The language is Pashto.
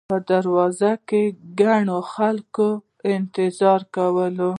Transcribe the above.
په دروازو کې ګڼ خلک انتظار کاوه.